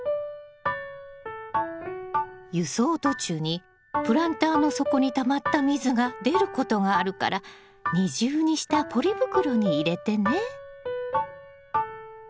輸送途中にプランターの底にたまった水が出ることがあるから二重にしたポリ袋に入れてね。